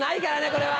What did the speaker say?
これは。